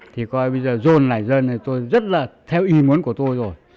thì coi bây giờ dồn lại dân thì tôi rất là theo ý muốn của tôi rồi